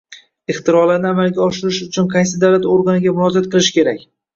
Ixtirolarni amalga oshirish uchun qaysi davlat organiga murojaat qilish kerak